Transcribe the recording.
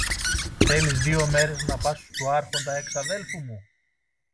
Θέλεις δυο μέρες να πας στου Άρχοντα εξαδέλφου μου;